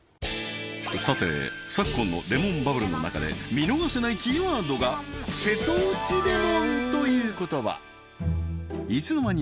さて昨今のレモンバブルの中で見逃せないキーワードが瀬戸内レモンという言葉